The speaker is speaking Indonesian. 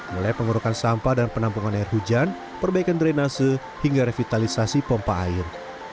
mulai pengurukan sampah dan penampungan air hujan perbaikan drainase hingga revitalisasi pompa air